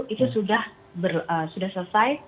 itu sudah selesai